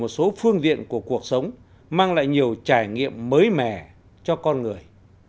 một số phương diện của cuộc sống mang lại nhiều trải nghiệm mới mẻ cho con người